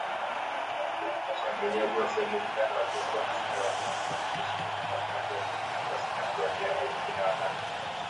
Washambuliaji wasiojulikana waliokuwa na silaha wamewaua wanajeshi kumi na mmoja wa Burkina Faso na kuwajeruhi wengine wanane